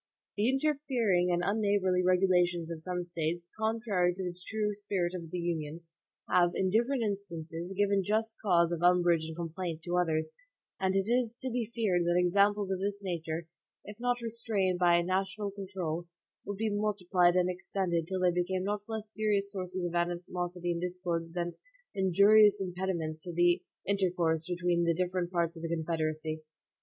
The interfering and unneighborly regulations of some States, contrary to the true spirit of the Union, have, in different instances, given just cause of umbrage and complaint to others, and it is to be feared that examples of this nature, if not restrained by a national control, would be multiplied and extended till they became not less serious sources of animosity and discord than injurious impediments to the intercourse between the different parts of the Confederacy.